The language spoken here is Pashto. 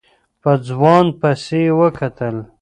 په ځوان پسې يې وکتل.